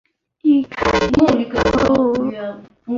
伊凯尔瓦尔。